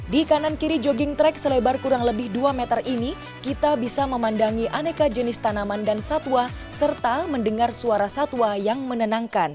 di kanan kiri jogging track selebar kurang lebih dua meter ini kita bisa memandangi aneka jenis tanaman dan satwa serta mendengar suara satwa yang menenangkan